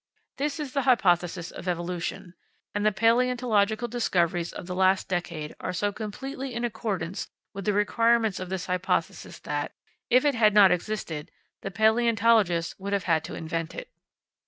This is the hypothesis of evolution; and the palaeontological discoveries of the last decade are so completely in accordance with the requirements of this hypothesis that, if it had not existed, the palaeontologist would have had to invent it.